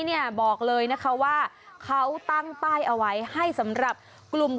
เนี่ยบอกเลยนะคะว่าเขาตั้งป้ายเอาไว้ให้สำหรับกลุ่ม